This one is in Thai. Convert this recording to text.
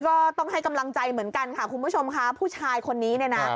ก็ต้องให้กำลังใจเหมือนกันค่ะคุณผู้ชมค่ะผู้ชายคนนี้เนี่ยนะ